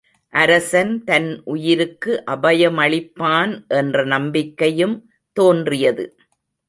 அரசன் தன் உயிருக்கு அபயமளிப்பான் என்ற நம்பிக்கையும் தோன்றியது.